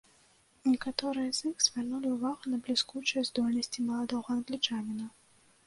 Некаторыя з іх звярнулі ўвагу на бліскучыя здольнасці маладога англічаніна.